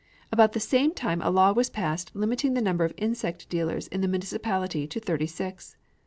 About the same time a law was passed limiting the number of insect dealers in the municipality to thirty six.